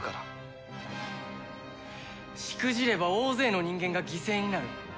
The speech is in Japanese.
フッしくじれば大勢の人間が犠牲になる。